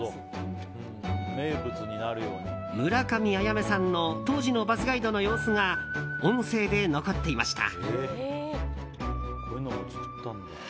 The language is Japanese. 村上あやめさんの当時のバスガイドの様子が音声で残っていました。